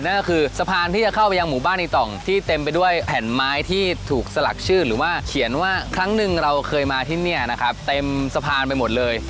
นั่นก็คือสะพานที่จะเข้าไปยังหมู่บ้านอีต่องที่เต็มไปด้วยแผ่นไม้ที่ถูกสลักชื่อหรือว่าเขียนว่าครั้งหนึ่งเราเคยมาที่เนี่ยนะครับเต็มสะพานไปหมดเลย